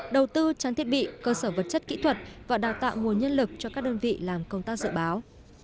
đầu tư trang thiết bị cơ sở vật chất kỹ thuật và đào tạo nguồn nhân lực cho các đơn vị làm công tác dự báo